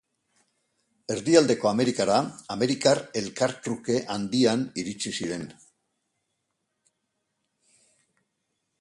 Erdialdeko Amerikara Amerikar Elkartruke Handian iritsi ziren.